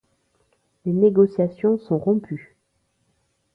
Les négociations sont rompues.